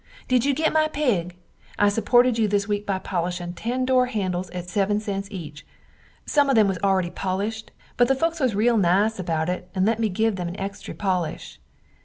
Did you get my pig? I suported you this weak by polishin 10 door handels at 7 cents each, some of them was already polisht but the folks was real nice about it and let me give them an extry polish.